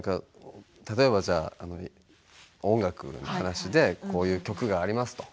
例えば音楽の話でこういう曲があります。